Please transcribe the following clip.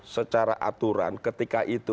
secara aturan ketika itu